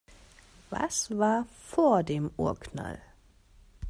Was war vor dem Urknall?